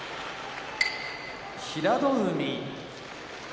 平戸海